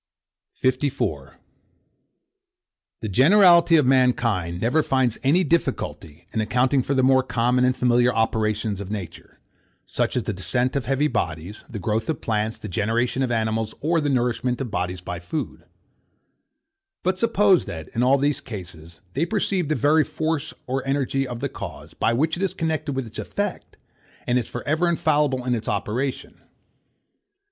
54. The generality of mankind never find any difficulty in accounting for the more common and familiar operations of nature such as the descent of heavy bodies, the growth of plants, the generation of animals, or the nourishment of bodies by food: But suppose that, in all these cases, they perceive the very force or energy of the cause, by which it is connected with its effect, and is for ever infallible in its operation.